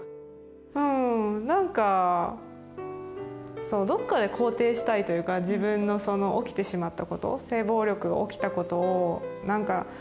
うんなんかそうどっかで肯定したいというか自分のその起きてしまったこと性暴力が起きたことをなんか。